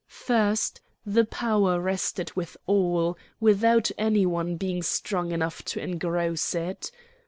First, the power rested with all, without any one being strong enough to engross it.